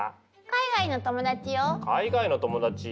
海外の友達？